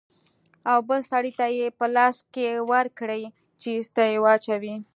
او بل سړي ته يې په لاس کښې ورکړې چې ايسته يې واچوي.